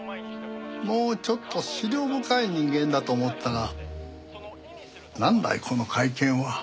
もうちょっと思慮深い人間だと思ってたがなんだいこの会見は。